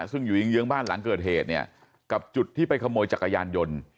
ซึ่งอยู่เยื้องบ้านหลังเกิดเหตุเนี่ยกับจุดที่ไปขโมยจักรยานยนต์